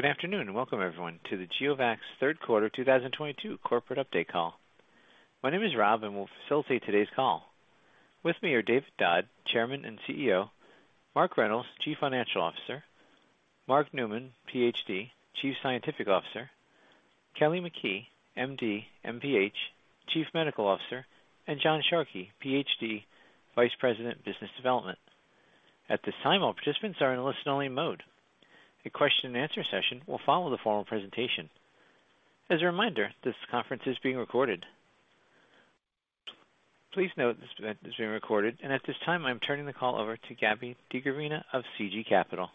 Good afternoon, and welcome everyone to the GeoVax third quarter 2022 corporate update call. My name is Robert LeBoyer, and I will facilitate today's call. With me are David Dodd, Chairman and CEO, Mark Reynolds, Chief Financial Officer, Mark Newman, PhD, Chief Scientific Officer, Kelly McKee, MD, MPH, Chief Medical Officer, and John Sharkey, PhD, Vice President, Business Development. At this time, all participants are in a listen-only mode. A question-and-answer session will follow the formal presentation. As a reminder, this conference is being recorded. Please note this event is being recorded, and at this time, I'm turning the call over to Gabrielle DeGravina of CG Capital.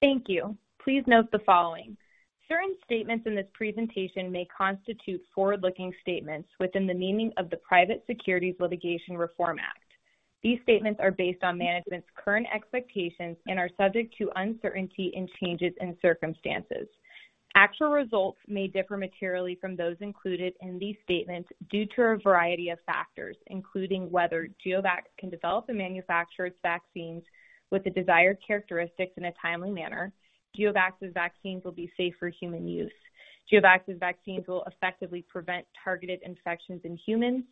Thank you. Please note the following. Certain statements in this presentation may constitute forward-looking statements within the meaning of the Private Securities Litigation Reform Act. These statements are based on management's current expectations and are subject to uncertainty and changes in circumstances. Actual results may differ materially from those included in these statements due to a variety of factors, including whether GeoVax can develop and manufacture its vaccines with the desired characteristics in a timely manner. GeoVax's vaccines will be safe for human use. GeoVax's vaccines will effectively prevent targeted infections in humans.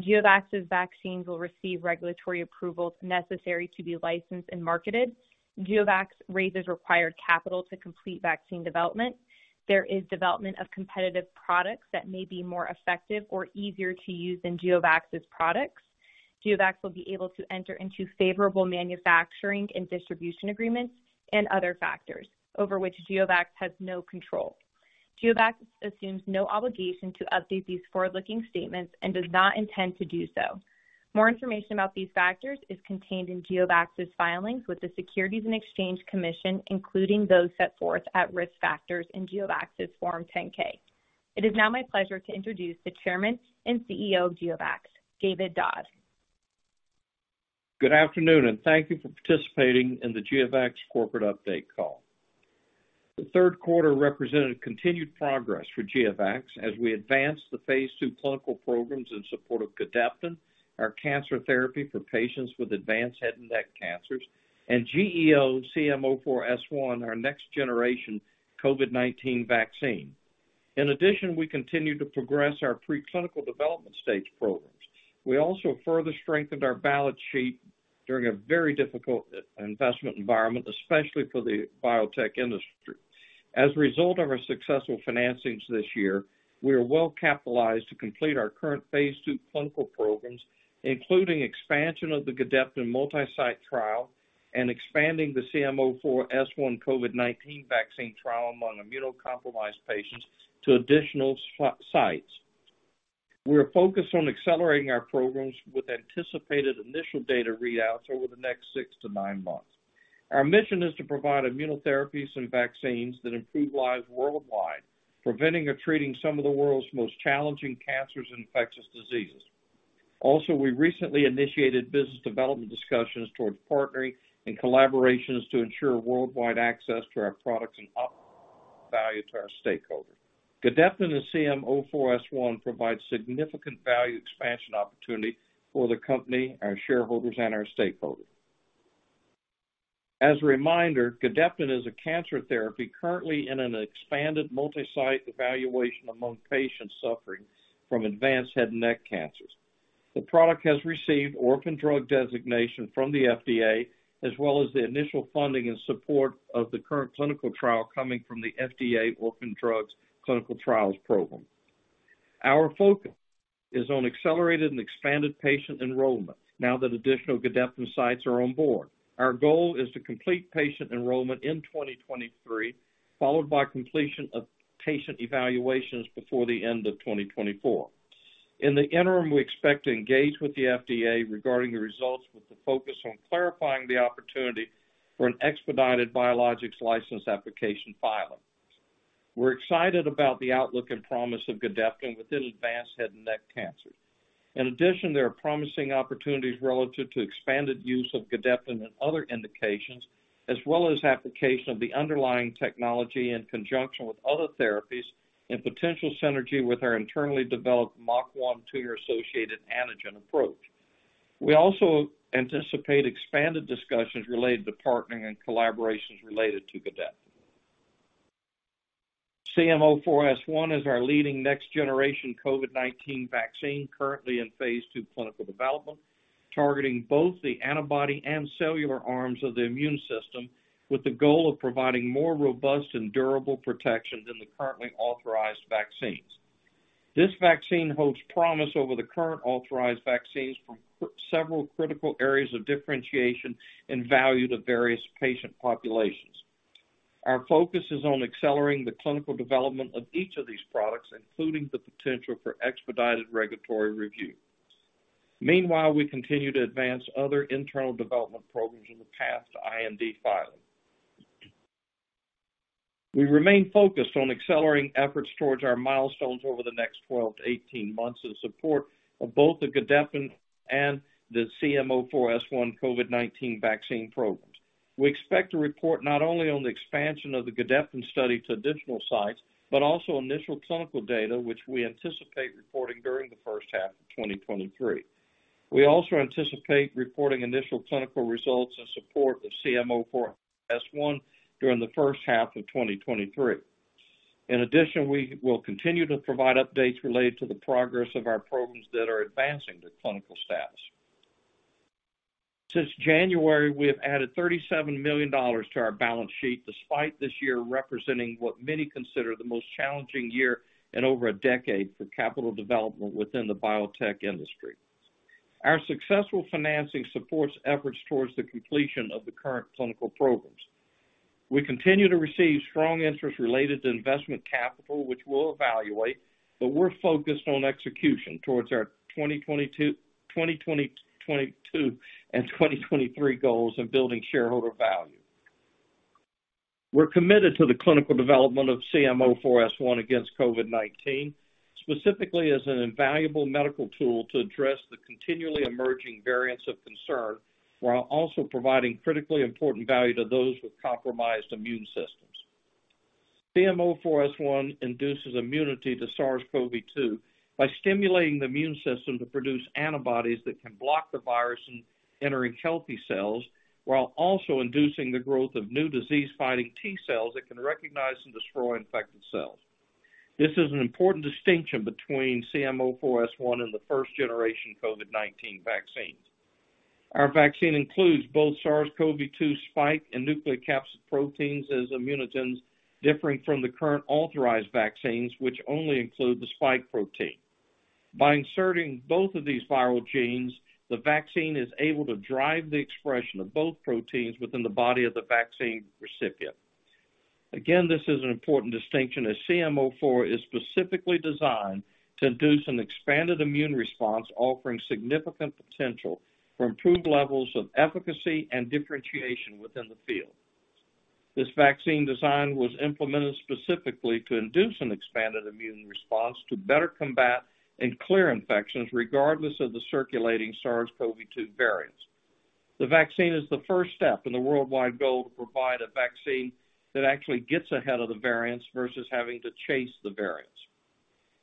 GeoVax's vaccines will receive regulatory approvals necessary to be licensed and marketed. GeoVax raises required capital to complete vaccine development. There is development of competitive products that may be more effective or easier to use than GeoVax's products. GeoVax will be able to enter into favorable manufacturing and distribution agreements and other factors over which GeoVax has no control. GeoVax assumes no obligation to update these forward-looking statements and does not intend to do so. More information about these factors is contained in GeoVax's filings with the Securities and Exchange Commission, including those set forth at Risk Factors in GeoVax's Form 10-K. It is now my pleasure to introduce the Chairman and CEO of GeoVax, David Dodd. Good afternoon, and thank you for participating in the GeoVax corporate update call. The third quarter represented continued progress for GeoVax as we advanced the phase II clinical programs in support of Gedeptin, our cancer therapy for patients with advanced head and neck cancers, and GEO-CM04S1, our next generation COVID-19 vaccine. In addition, we continue to progress our pre-clinical development stage programs. We also further strengthened our balance sheet during a very difficult investment environment, especially for the biotech industry. As a result of our successful financings this year, we are well-capitalized to complete our current phase II clinical programs, including expansion of the Gedeptin multi-site trial and expanding the GEO-CM04S1 COVID-19 vaccine trial among immunocompromised patients to additional sites. We are focused on accelerating our programs with anticipated initial data readouts over the next six to nine months. Our mission is to provide immunotherapies and vaccines that improve lives worldwide, preventing or treating some of the world's most challenging cancers and infectious diseases. Also, we recently initiated business development discussions towards partnering in collaborations to ensure worldwide access to our products and optimize value to our stakeholders. Gedeptin and GEO-CM04S1 provide significant value expansion opportunity for the company, our shareholders, and our stakeholders. As a reminder, Gedeptin is a cancer therapy currently in an expanded multi-site evaluation among patients suffering from advanced head and neck cancers. The product has received orphan drug designation from the FDA, as well as the initial funding and support of the current clinical trial coming from the FDA Orphan Products Clinical Trials Grant Program. Our focus is on accelerated and expanded patient enrollment now that additional Gedeptin sites are on board. Our goal is to complete patient enrollment in 2023, followed by completion of patient evaluations before the end of 2024. In the interim, we expect to engage with the FDA regarding the results with the focus on clarifying the opportunity for an expedited biologics license application filing. We're excited about the outlook and promise of Gedeptin within advanced head and neck cancers. In addition, there are promising opportunities relative to expanded use of Gedeptin in other indications, as well as application of the underlying technology in conjunction with other therapies and potential synergy with our internally developed MUC1 tumor-associated antigen approach. We also anticipate expanded discussions related to partnering and collaborations related to Gedeptin. CM04S1 is our leading next-generation COVID-19 vaccine, currently in phase II clinical development, targeting both the antibody and cellular arms of the immune system with the goal of providing more robust and durable protection than the currently authorized vaccines. This vaccine holds promise over the current authorized vaccines from several critical areas of differentiation and value to various patient populations. Our focus is on accelerating the clinical development of each of these products, including the potential for expedited regulatory review. Meanwhile, we continue to advance other internal development programs in the path to IND filing. We remain focused on accelerating efforts towards our milestones over the next 12-18 months in support of both the Gedeptin and the GEO-CM04S1 COVID-19 vaccine programs. We expect to report not only on the expansion of the Gedeptin study to additional sites, but also initial clinical data which we anticipate reporting during the first half of 2023. We also anticipate reporting initial clinical results in support of GEO-CM04S1 during the first half of 2023. In addition, we will continue to provide updates related to the progress of our programs that are advancing to clinical status. Since January, we have added $37 million to our balance sheet, despite this year representing what many consider the most challenging year in over a decade for capital development within the biotech industry. Our successful financing supports efforts towards the completion of the current clinical programs. We continue to receive strong interest related to investment capital, which we'll evaluate, but we're focused on execution towards our 2022 and 2023 goals of building shareholder value. We're committed to the clinical development of GEO-CM04S1 against COVID-19, specifically as an invaluable medical tool to address the continually emerging variants of concern, while also providing critically important value to those with compromised immune systems. GEO-CM04S1 induces immunity to SARS-CoV-2 by stimulating the immune system to produce antibodies that can block the virus from entering healthy cells, while also inducing the growth of new disease-fighting T cells that can recognize and destroy infected cells. This is an important distinction between GEO-CM04S1 and the first generation COVID-19 vaccines. Our vaccine includes both SARS-CoV-2 spike and nucleocapsid proteins as immunogens, differing from the current authorized vaccines, which only include the spike protein. By inserting both of these viral genes, the vaccine is able to drive the expression of both proteins within the body of the vaccine recipient. Again, this is an important distinction, as GEO-CM04S1 is specifically designed to induce an expanded immune response, offering significant potential for improved levels of efficacy and differentiation within the field. This vaccine design was implemented specifically to induce an expanded immune response to better combat and clear infections, regardless of the circulating SARS-CoV-2 variants. The vaccine is the first step in the worldwide goal to provide a vaccine that actually gets ahead of the variants versus having to chase the variants.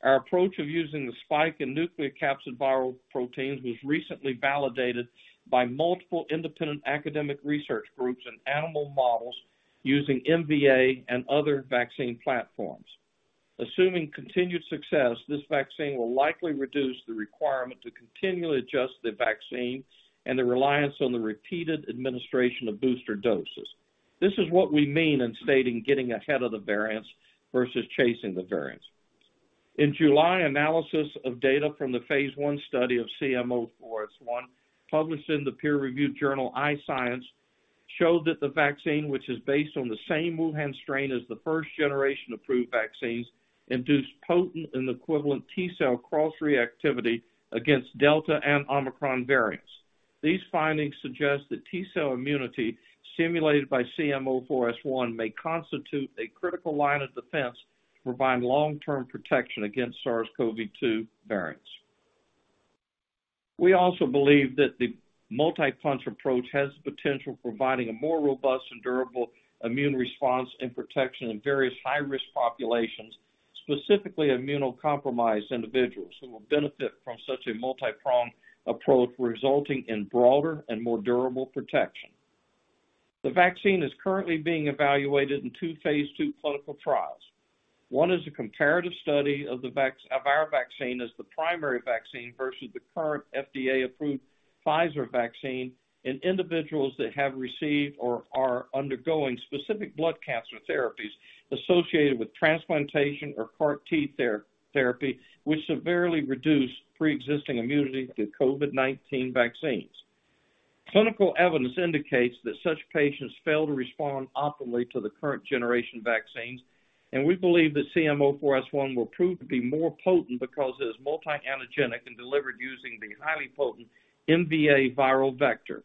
Our approach of using the spike and nucleocapsid viral proteins was recently validated by multiple independent academic research groups and animal models using MVA and other vaccine platforms. Assuming continued success, this vaccine will likely reduce the requirement to continually adjust the vaccine and the reliance on the repeated administration of booster doses. This is what we mean in stating getting ahead of the variants versus chasing the variants. In July, analysis of data from the phase I study of GEO-CM04S1, published in the peer-reviewed journal iScience, showed that the vaccine, which is based on the same Wuhan strain as the first generation approved vaccines, induced potent and equivalent T cell cross-reactivity against Delta and Omicron variants. These findings suggest that T cell immunity stimulated by GEO-CM04S1 may constitute a critical line of defense to provide long-term protection against SARS-CoV-2 variants. We also believe that the multi-pronged approach has the potential for providing a more robust and durable immune response and protection in various high-risk populations, specifically immunocompromised individuals who will benefit from such a multi-pronged approach, resulting in broader and more durable protection. The vaccine is currently being evaluated in two phase II clinical trials. One is a comparative study of our vaccine as the primary vaccine, versus the current FDA-approved Pfizer vaccine in individuals that have received or are undergoing specific blood cancer therapies associated with transplantation or CAR T-cell therapy, which severely reduce pre-existing immunity to COVID-19 vaccines. Clinical evidence indicates that such patients fail to respond optimally to the current generation vaccines, and we believe that GEO-CM04S1 will prove to be more potent because it is multi-antigenic and delivered using the highly potent MVA viral vector.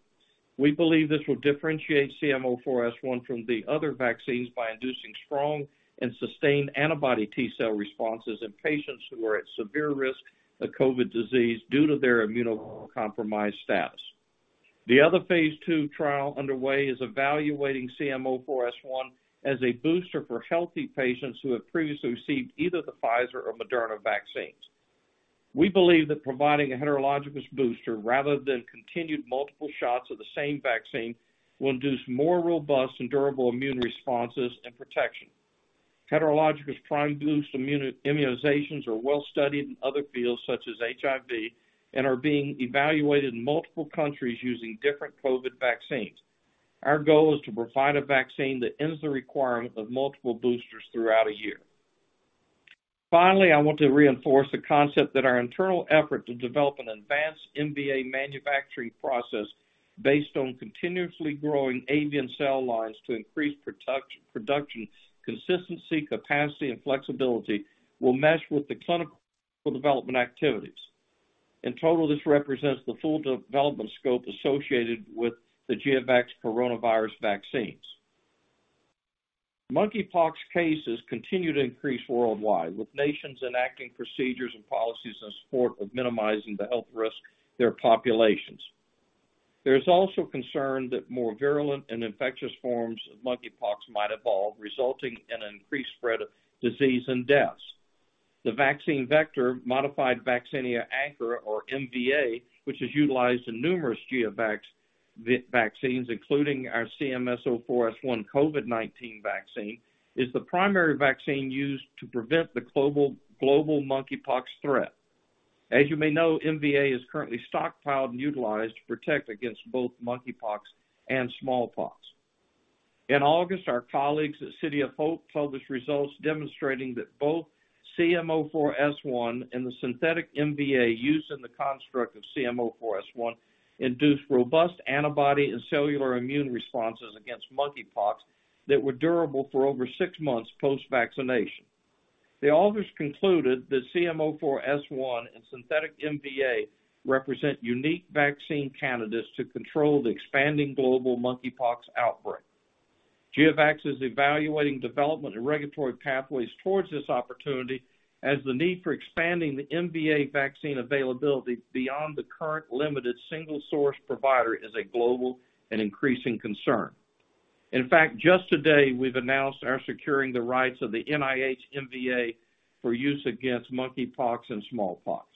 We believe this will differentiate GEO-CM04S1 from the other vaccines by inducing strong and sustained antibody T cell responses in patients who are at severe risk of COVID disease due to their immunocompromised status. The other phase II trial underway is evaluating GEO-CM04S1 as a booster for healthy patients who have previously received either the Pfizer or Moderna vaccines. We believe that providing a heterologous booster rather than continued multiple shots of the same vaccine will induce more robust and durable immune responses and protection. Heterologous prime boost immunizations are well-studied in other fields, such as HIV, and are being evaluated in multiple countries using different COVID vaccines. Our goal is to provide a vaccine that ends the requirement of multiple boosters throughout a year. Finally, I want to reinforce the concept that our internal effort to develop an advanced MVA manufacturing process based on continuously growing avian cell lines to increase product-production consistency, capacity, and flexibility will mesh with the clinical development activities. In total, this represents the full development scope associated with the GeoVax coronavirus vaccines. Monkeypox cases continue to increase worldwide, with nations enacting procedures and policies in support of minimizing the health risk to their populations. There is also concern that more virulent and infectious forms of monkeypox might evolve, resulting in an increased spread of disease and deaths. The vaccine vector, Modified Vaccinia Ankara, or MVA, which is utilized in numerous GeoVax vaccines, including our GEO-CM04S1 COVID-19 vaccine, is the primary vaccine used to prevent the global monkeypox threat. As you may know, MVA is currently stockpiled and utilized to protect against both monkeypox and smallpox. In August, our colleagues at City of Hope published results demonstrating that both GEO-CM04S1 and the synthetic MVA used in the construct of GEO-CM04S1 induced robust antibody and cellular immune responses against monkeypox that were durable for over six months post-vaccination. The authors concluded that GEO-CM04S1 and synthetic MVA represent unique vaccine candidates to control the expanding global monkeypox outbreak. GeoVax is evaluating development and regulatory pathways towards this opportunity as the need for expanding the MVA vaccine availability beyond the current limited single source provider is a global and increasing concern. In fact, just today, we've announced our securing the rights of the NIH-MVA for use against monkeypox and smallpox.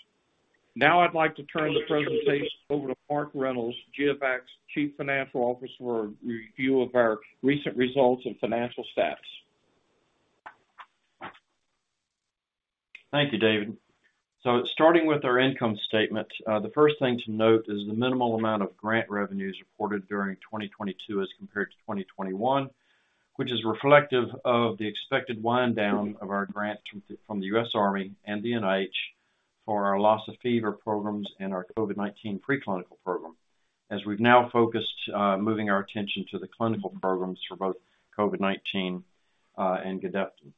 Now I'd like to turn the presentation over to Mark Reynolds, GeoVax Chief Financial Officer, for a review of our recent results and financial status. Thank you, David. Starting with our income statement, the first thing to note is the minimal amount of grant revenues reported during 2022 as compared to 2021, which is reflective of the expected wind down of our grant from the U.S. Army and the NIH for our Lassa fever programs and our COVID-19 pre-clinical program. As we've now focused, moving our attention to the clinical programs for both COVID-19 and Gedeptin.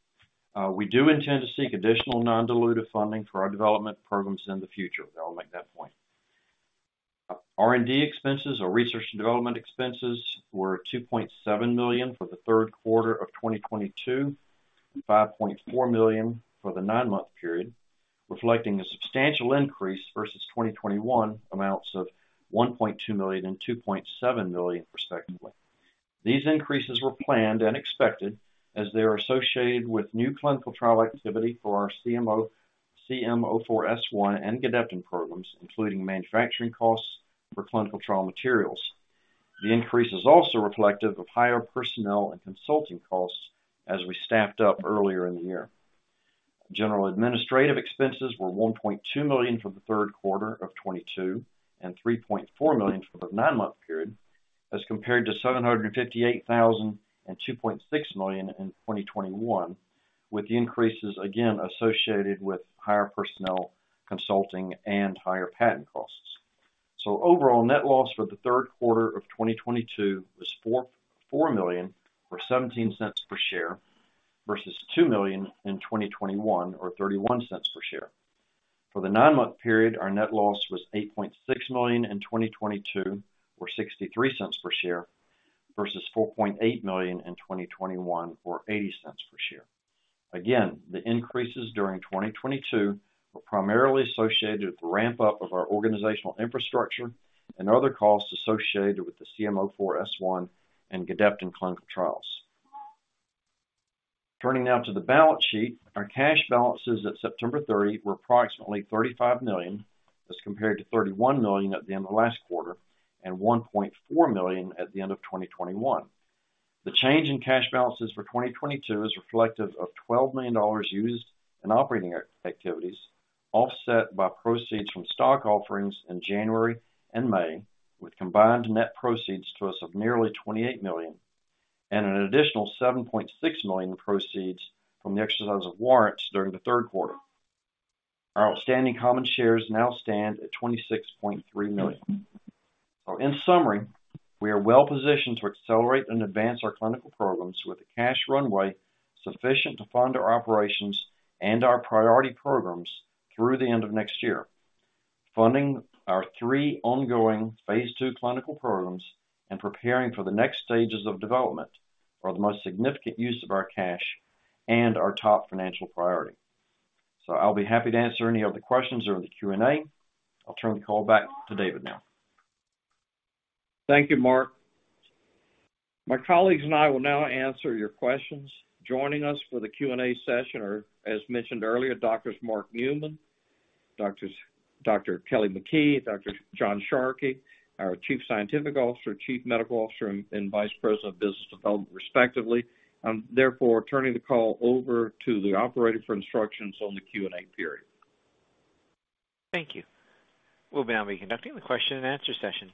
We do intend to seek additional non-dilutive funding for our development programs in the future. I wanna make that point. R&D expenses or research and development expenses were $2.7 million for the third quarter of 2022, and $5.4 million for the nine-month period, reflecting a substantial increase versus 2021 amounts of $1.2 million and $2.7 million, respectively. These increases were planned and expected as they are associated with new clinical trial activity for our GEO-CM04S1 and Gedeptin programs, including manufacturing costs for clinical trial materials. The increase is also reflective of higher personnel and consulting costs as we staffed up earlier in the year. General administrative expenses were $1.2 million for the third quarter of 2022 and $3.4 million for the nine-month period, as compared to $758,000 and $2.6 million in 2021, with the increases again associated with higher personnel consulting and higher patent costs. Overall net loss for the third quarter of 2022 was $4.4 million or $0.17 per share, versus $2 million in 2021 or $0.31 per share. For the nine-month period, our net loss was $8.6 million in 2022 or $0.63 per share, versus $4.8 million in 2021 or $0.80 per share. The increases during 2022 were primarily associated with the ramp up of our organizational infrastructure and other costs associated with the GEO-CM04S1 and Gedeptin clinical trials. Turning now to the balance sheet. Our cash balances at September 30 were approximately $35 million as compared to $31 million at the end of last quarter and $1.4 million at the end of 2021. The change in cash balances for 2022 is reflective of $12 million used in operating activities, offset by proceeds from stock offerings in January and May, with combined net proceeds to us of nearly $28 million and an additional $7.6 million in proceeds from the exercise of warrants during the third quarter. Our outstanding common shares now stand at 26.3 million. In summary, we are well positioned to accelerate and advance our clinical programs with a cash runway sufficient to fund our operations and our priority programs through the end of next year. Funding our three ongoing phase II clinical programs and preparing for the next stages of development are the most significant use of our cash and our top financial priority. I'll be happy to answer any of the questions during the Q&A. I'll turn the call back to David now. Thank you, Mark. My colleagues and I will now answer your questions. Joining us for the Q&A session are, as mentioned earlier, Doctors Mark Newman, Dr. Kelly McKee, Dr. John Sharkey, our Chief Scientific Officer, Chief Medical Officer, and Vice President of Business Development, respectively. I'm therefore turning the call over to the operator for instructions on the Q&A period. Thank you. We'll now be conducting the question and answer session.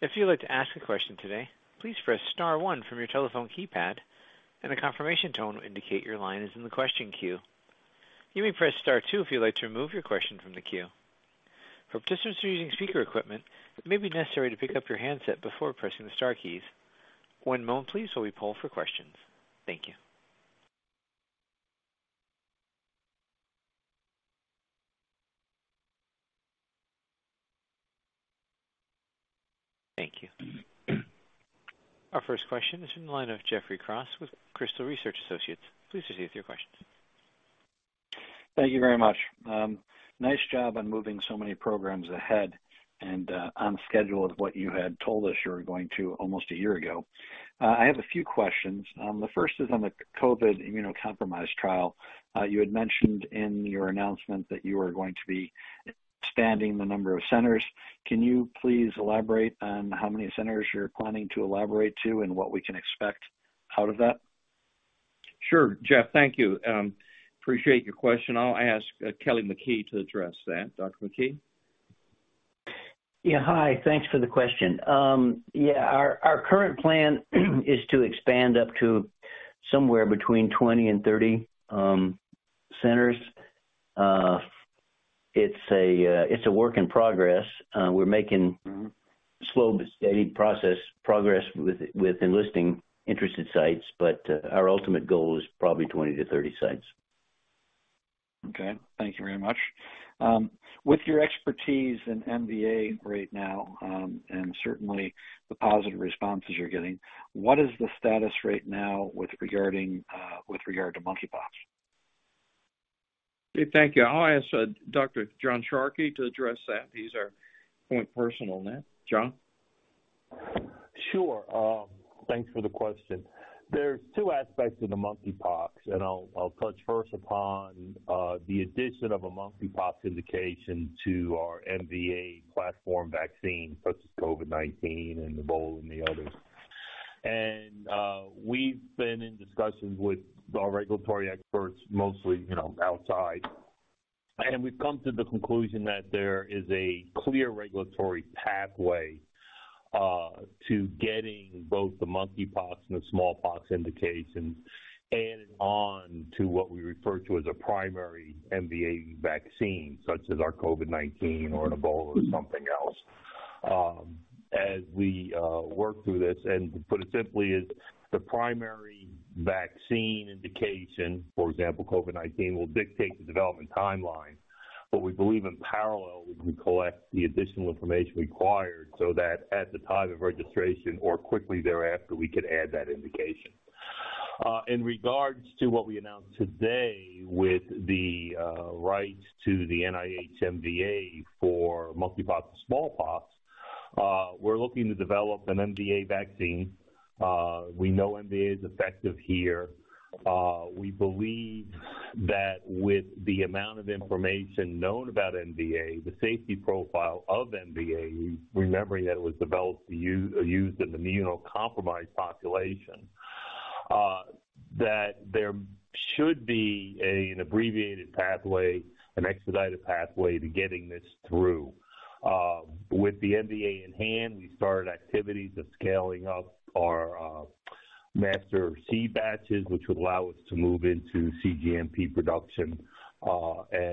If you'd like to ask a question today, please press star one from your telephone keypad and a confirmation tone will indicate your line is in the question queue. You may press star two if you'd like to remove your question from the queue. For participants who are using speaker equipment, it may be necessary to pick up your handset before pressing the star keys. One moment please while we poll for questions. Thank you. Thank you. Our first question is from the line of Jeffrey Kraws with Crystal Research Associates. Please proceed with your questions. Thank you very much. Nice job on moving so many programs ahead and on schedule of what you had told us you were going to almost a year ago. I have a few questions. The first is on the COVID immunocompromised trial. You had mentioned in your announcement that you were going to be expanding the number of centers. Can you please elaborate on how many centers you're planning to expand to and what we can expect out of that? Sure. Jeff, thank you. Appreciate your question. I'll ask Kelly McKee to address that. Dr. McKee? Yeah. Hi. Thanks for the question. Yeah. Our current plan is to expand up to somewhere between 20 and 30 centers. It's a work in progress. Mm-hmm Progress with enlisting interested sites, but our ultimate goal is probably 20-30 sites. Okay. Thank you very much. With your expertise in MVA right now, and certainly the positive responses you're getting, what is the status right now with regard to monkeypox? Thank you. I'll ask Dr. John Sharkey to address that. He's our point person on that. John? Sure. Thanks for the question. There's two aspects to the monkeypox, and I'll touch first upon the addition of a monkeypox indication to our MVA platform vaccine such as COVID-19 and Ebola and the others. We've been in discussions with our regulatory experts mostly, you know, outside. We've come to the conclusion that there is a clear regulatory pathway to getting both the monkeypox and the smallpox indications added on to what we refer to as a primary MVA vaccine, such as our COVID-19 or an Ebola or something else, as we work through this. To put it simply, the primary vaccine indication, for example, COVID-19, will dictate the development timeline. We believe in parallel, we can collect the additional information required so that at the time of registration or quickly thereafter, we could add that indication. In regards to what we announced today with the rights to the NIH MVA for monkeypox and smallpox, we're looking to develop an MVA vaccine. We know MVA is effective here. We believe that with the amount of information known about MVA, the safety profile of MVA, remembering that it was developed, used in immunocompromised population, that there should be an abbreviated pathway, an expedited pathway to getting this through. With the MVA in hand, we started activities of scaling up our master seed batches, which would allow us to move into cGMP production.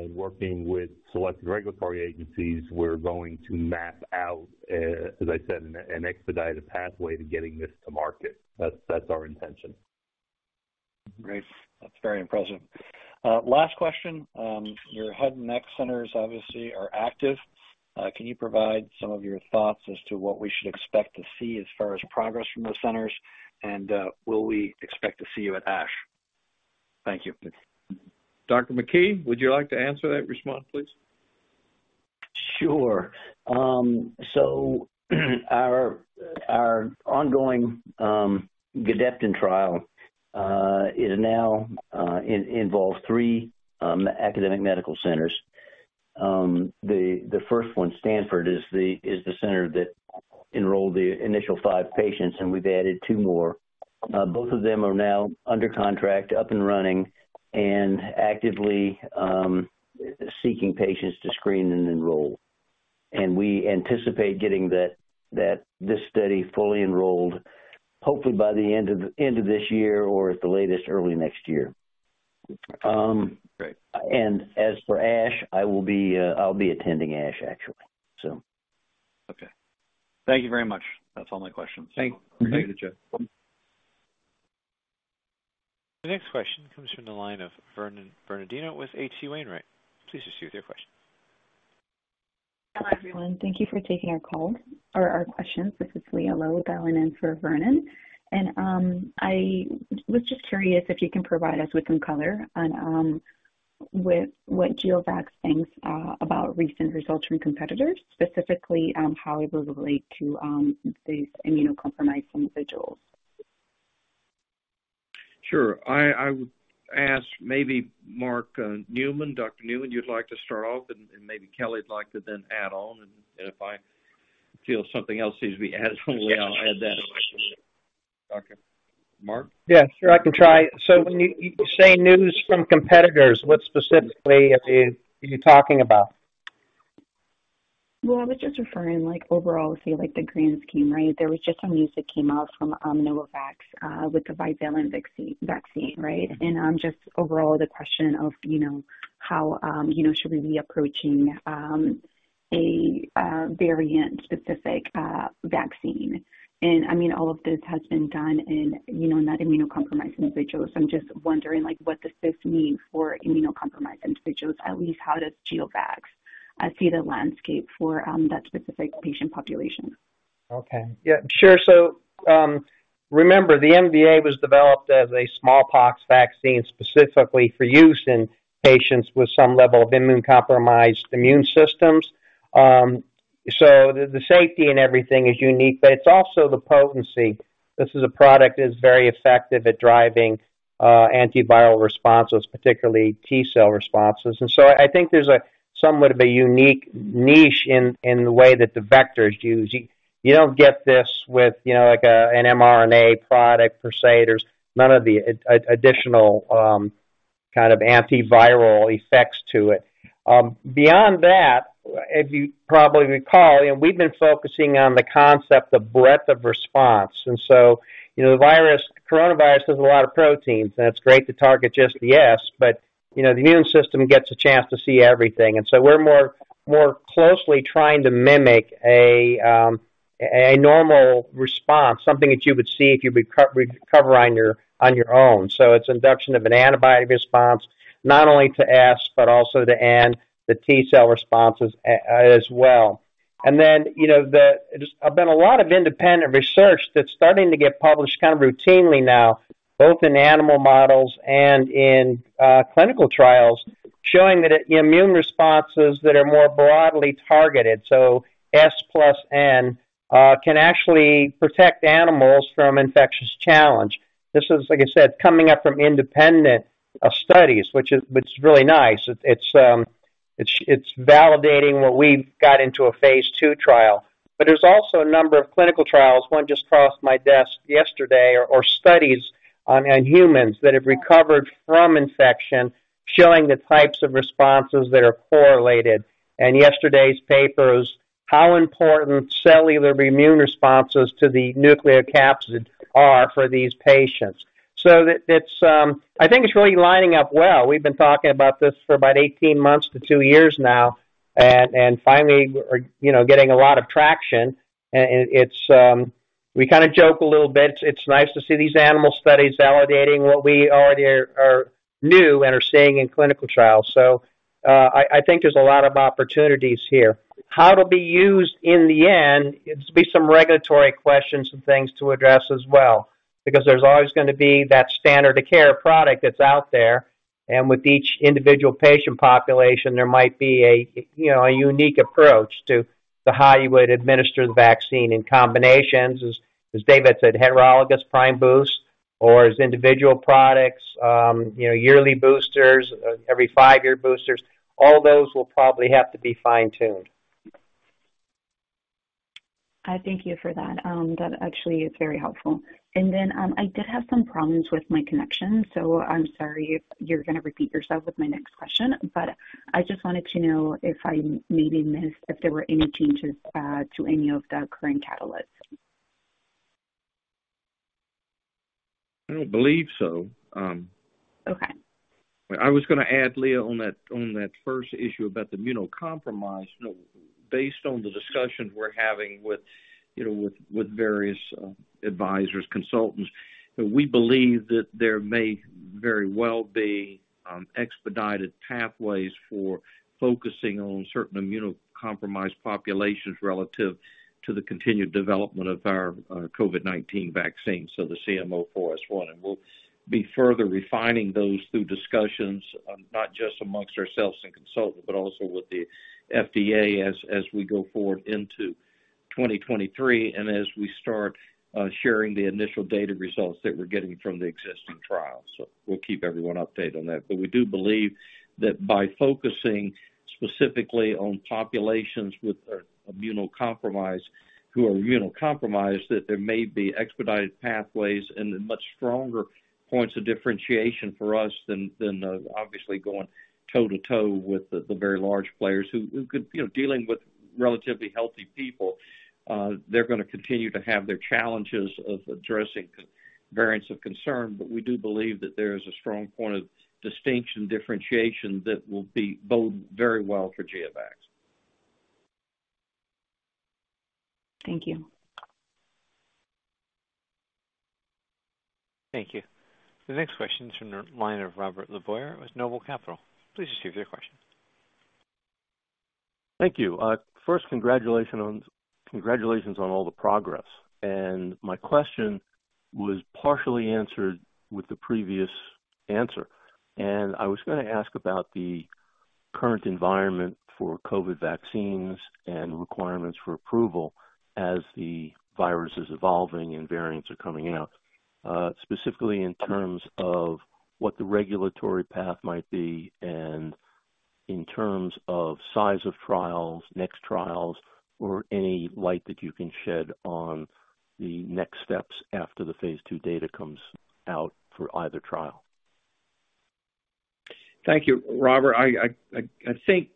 Working with selected regulatory agencies, we're going to map out, as I said, an expedited pathway to getting this to market. That's our intention. Great. That's very impressive. Last question. Your head and neck centers obviously are active. Can you provide some of your thoughts as to what we should expect to see as far as progress from those centers, and will we expect to see you at ASH? Thank you. Dr. McKee, would you like to answer that response, please? Sure. So our ongoing Gedeptin trial is now involves three academic medical centers. The first one, Stanford, is the center that enrolled the initial five patients, and we've added two more. Both of them are now under contract, up and running, and actively seeking patients to screen and enroll. We anticipate getting this study fully enrolled, hopefully by the end of this year or at the latest, early next year. Great. As for ASH, I'll be attending ASH, actually, so. Okay. Thank you very much. That's all my questions. Thanks. Thank you, Jeff. Mm-hmm. The next question comes from the line of Vernon Bernardino with H.C. Wainwright. Please proceed with your question. Hello, everyone. Thank you for taking our call or our questions. This is Leah Lowe dialing in for Vernon. I was just curious if you can provide us with some color on with what GeoVax thinks about recent results from competitors, specifically how it would relate to these immunocompromised individuals. Sure. I would ask maybe Mark Newman, Dr. Newman, you'd like to start off, and maybe Kelly would like to then add on. If I feel something else needs to be added then I'll add that also. Okay. Mark? Yeah, sure. I can try. When you say news from competitors, what specifically are you talking about? Well, I was just referring like overall, say like the grand scheme, right? There was just some news that came out from Novavax with the bivalent vaccine, right? Just overall the question of, you know, how, you know, should we be approaching a variant-specific vaccine? I mean, all of this has been done in, you know, not immunocompromised individuals. I'm just wondering, like, what does this mean for immunocompromised individuals? At least how does GeoVax see the landscape for that specific patient population? Remember the MVA was developed as a smallpox vaccine specifically for use in patients with some level of immunocompromised immune systems. The safety and everything is unique, but it's also the potency. This is a product that's very effective at driving antiviral responses, particularly T-cell responses. I think there's somewhat of a unique niche in the way that the vector is used. You don't get this with, you know, like an mRNA product per se. There's none of the additional kind of antiviral effects to it. Beyond that, if you probably recall, you know, we've been focusing on the concept of breadth of response. You know, the virus, coronavirus has a lot of proteins, and it's great to target just the S, but, you know, the immune system gets a chance to see everything. We're more closely trying to mimic a normal response, something that you would see if you recover on your own. It's induction of an antibody response not only to S, but also to N, the T-cell responses as well. You know, there's been a lot of independent research that's starting to get published kind of routinely now, both in animal models and in clinical trials, showing that immune responses that are more broadly targeted, so S plus N, can actually protect animals from infectious challenge. This is, like I said, coming up from independent studies, which is really nice. It's validating what we've got into a phase II trial. There's also a number of clinical trials, one just crossed my desk yesterday, or studies on humans that have recovered from infection, showing the types of responses that are correlated. Yesterday's paper is how important cellular immune responses to the nucleocapsid are for these patients. I think it's really lining up well. We've been talking about this for about 18 months to two years now, and finally we're, you know, getting a lot of traction. It's nice to see these animal studies validating what we already knew and are seeing in clinical trials. I think there's a lot of opportunities here. How it'll be used in the end, it'll be some regulatory questions and things to address as well, because there's always gonna be that standard of care product that's out there. With each individual patient population, there might be a, you know, a unique approach to how you would administer the vaccine in combinations. As David said, heterologous prime boosts or as individual products, you know, yearly boosters, every five-year boosters, all those will probably have to be fine-tuned. I thank you for that. That actually is very helpful. Then, I did have some problems with my connection, so I'm sorry if you're gonna repeat yourself with my next question, but I just wanted to know if I maybe missed if there were any changes to any of the current catalysts. I don't believe so. Okay. I was gonna add, Leah, on that first issue about the immunocompromised. You know, based on the discussions we're having with various advisors, consultants, we believe that there may very well be expedited pathways for focusing on certain immunocompromised populations relative to the continued development of our COVID-19 vaccine, so the GEO-CM04S1. We'll be further refining those through discussions not just amongst ourselves and consultants, but also with the FDA as we go forward into 2023 and as we start sharing the initial data results that we're getting from the existing trials. We'll keep everyone updated on that. We do believe that by focusing specifically on populations who are immunocompromised, that there may be expedited pathways and much stronger points of differentiation for us than obviously going toe-to-toe with the very large players who could. You know, dealing with relatively healthy people, they're gonna continue to have their challenges of addressing variants of concern. We do believe that there is a strong point of distinction, differentiation that will bode very well for GeoVax. Thank you. Thank you. The next question is from the line of Robert LeBoyer with Noble Capital. Please proceed with your question. Thank you. First, congratulations on all the progress. My question was partially answered with the previous answer. I was gonna ask about the current environment for COVID vaccines and requirements for approval as the virus is evolving and variants are coming out, specifically in terms of what the regulatory path might be and in terms of size of trials, next trials, or any light that you can shed on the next steps after the phase II data comes out for either trial. Thank you, Robert. I think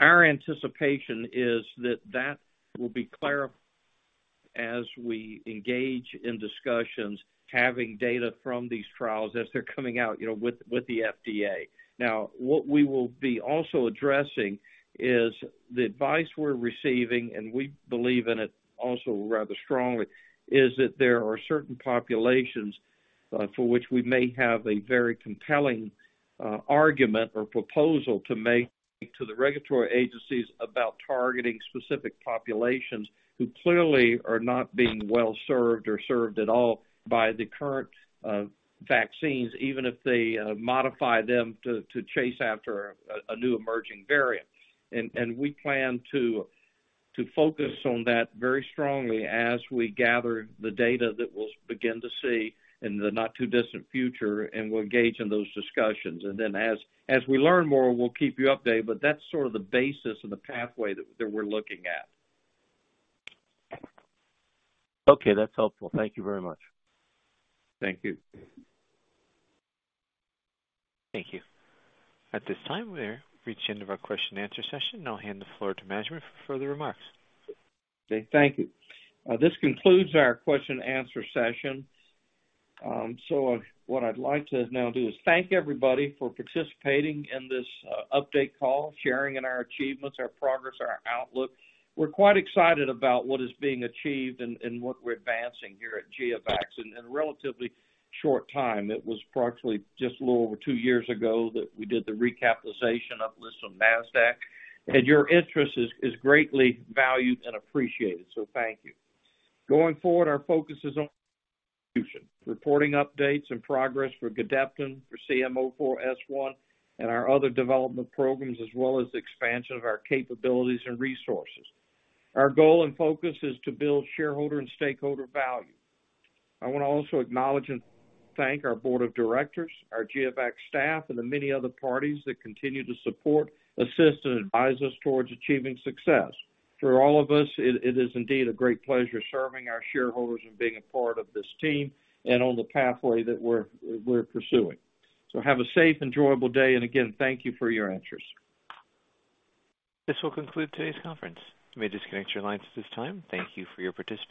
our anticipation is that that will be clarified as we engage in discussions, having data from these trials as they're coming out, you know, with the FDA. Now, what we will be also addressing is the advice we're receiving, and we believe in it also rather strongly, is that there are certain populations for which we may have a very compelling argument or proposal to make to the regulatory agencies about targeting specific populations who clearly are not being well-served or served at all by the current vaccines, even if they modify them to chase after a new emerging variant. We plan to focus on that very strongly as we gather the data that we'll begin to see in the not too distant future, and we'll engage in those discussions. As we learn more, we'll keep you updated. That's sort of the basis and the pathway that we're looking at. Okay, that's helpful. Thank you very much. Thank you. Thank you. At this time, we've reached the end of our question and answer session. I'll hand the floor to management for further remarks. Okay, thank you. This concludes our question and answer session. So what I'd like to now do is thank everybody for participating in this update call, sharing in our achievements, our progress, our outlook. We're quite excited about what is being achieved and what we're advancing here at GeoVax in a relatively short time. It was approximately just a little over two years ago that we did the recapitalization of the list on Nasdaq. Your interest is greatly valued and appreciated, so thank you. Going forward, our focus is on reporting updates and progress for Gedeptin, for GEO-CM04S1, and our other development programs, as well as the expansion of our capabilities and resources. Our goal and focus is to build shareholder and stakeholder value. I wanna also acknowledge and thank our board of directors, our GeoVax staff, and the many other parties that continue to support, assist, and advise us towards achieving success. For all of us, it is indeed a great pleasure serving our shareholders and being a part of this team and on the pathway that we're pursuing. Have a safe, enjoyable day. Again, thank you for your interest. This will conclude today's conference. You may disconnect your lines at this time. Thank you for your participation.